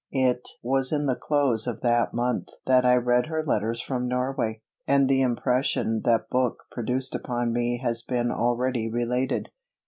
It was in the close of that month that I read her Letters from Norway; and the impression that book produced upon me has been already related.